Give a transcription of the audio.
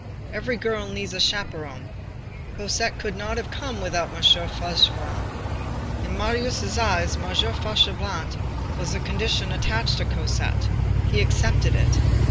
Every girl needs a chaperon. Cosette could not have come without M. Fauchelevent. In Marius' eyes, M. Fauchelevent was the condition attached to Cosette. He accepted it.